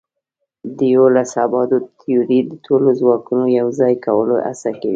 د یوولس ابعادو تیوري د ټولو ځواکونو یوځای کولو هڅه کوي.